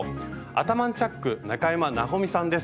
アタマンチャック中山奈穂美さんです。